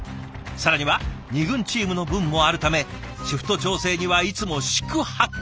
更には２軍チームの分もあるためシフト調整にはいつも四苦八苦。